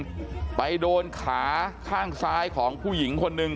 หน้าเขาปืนลั่นไปนัดนึงไปโดนขาข้างซ้ายของผู้หญิงคนหนึ่ง